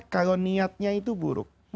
kalau niatnya itu buruk